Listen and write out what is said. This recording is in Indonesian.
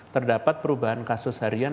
terdapat perubahan kasus harian